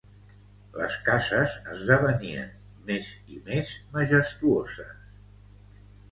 Les cases esdevenien més i més majestuoses.